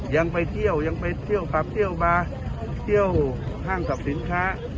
ยังไปเที่ยวยังไปเที่ยวขับเที่ยวมาเที่ยวห้างสรรพสินค้า